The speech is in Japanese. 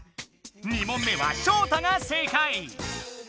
２もんめはショウタが正解！